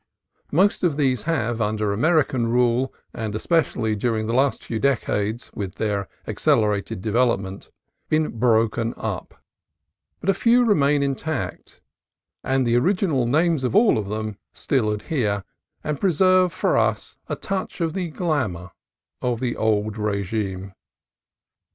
Most of these have, under American rule, and especially during the last few decades, with their accelerated development, been broken up : but a few remain intact ; and the original names of all of them still adhere, and preserve for us a touch of the glamour of the old regime.